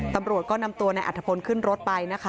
ตำรวจก็นำตัวนายอัฐพลขึ้นรถไปนะคะ